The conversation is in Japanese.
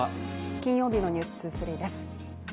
金曜日の「ｎｅｗｓ２３」です。